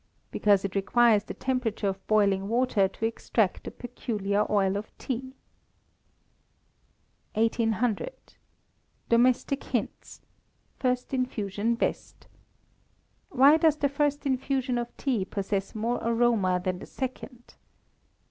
_ Because it requires the temperature of boiling water to extract the peculiar oil of tea. 1800. Domestic Hints (First Infusion Best). _Why does the first infusion of tea possess more aroma than the second?